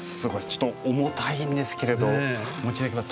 ちょっと重たいんですけれどお持ち頂きます。